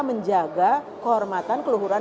menjaga kehormatan keluhuran